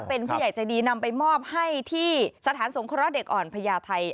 เป็นผู้ใหญ่ใจดีนำไปมอบให้ที่สถานสงเคราะห์เด็กอ่อนพญาไทย